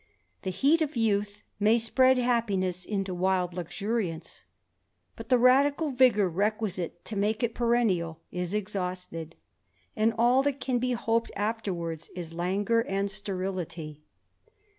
The heat of youth may spread happiness into wild luxuriance; but the radical vigour requisite to make it perennial is exhausted, and all that can be hoped afterwards is languor and sterility.